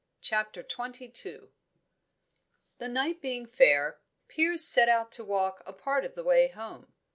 CHAPTER XXII The night being fair, Piers set out to walk a part of the way home.